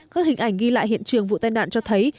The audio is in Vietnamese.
các hình ảnh ghi lại hiện trường vụ tai nạn cho thấy